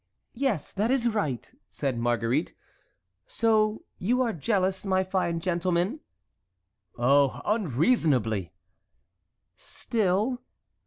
"Yes, that is right," said Marguerite. "So you are jealous, my fine gentleman?" "Oh! unreasonably." "Still?"